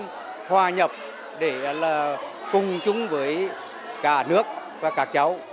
hoàn cảnh khó khăn hòa nhập để là cùng chung với cả nước và các cháu